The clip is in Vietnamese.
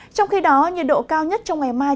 trong khi đó nhiệt độ cao nhất trong ngày mai